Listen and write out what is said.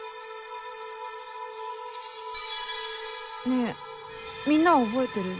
ねえみんなは覚えてる？